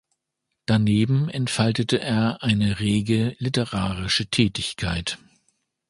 Daneben entfaltete er eine rege literarische Tätigkeit.